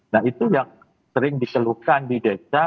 nah itu yang sering dikeluhkan di desa